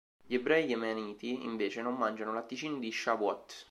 Gli ebrei yemeniti invece non mangiano latticini di Shavuot.